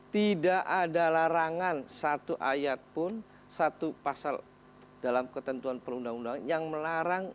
tidak ada larangan satu ayat pun satu pasal dalam ketentuan perundang undangan yang melarang